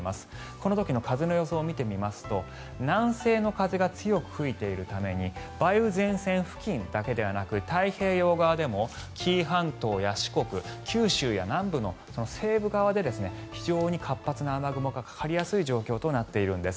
この時の風の予想を見てみますと南西の風が強く吹いているために梅雨前線付近だけではなく太平洋側でも紀伊半島や四国九州の南部の西部側で非常に活発な雨雲がかかりやすい状況となっているんです。